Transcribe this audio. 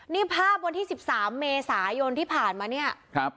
นี่ภาพวันที่๑๓เมษายนที่ผ่านมาเนี่ย